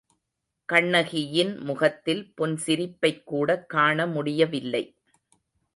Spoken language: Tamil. கண்ணகியின் முகத்தில் புன்சிரிப்பைக்கூடக் காணமுடியவில்லை.